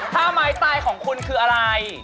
ถ้าไม้ตายของคุณคืออะไร